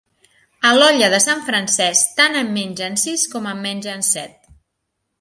A l'olla de sant Francesc tant en mengen sis com en mengen set.